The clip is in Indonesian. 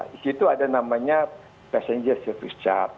di situ ada namanya passenger service chart